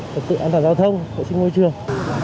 trật tự an toàn giao thông vệ sinh môi trường